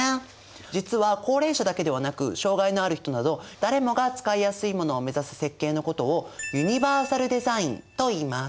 実は高齢者だけではなく障害のある人など誰もが使いやすいものを目指す設計のことをユニバーサルデザインといいます。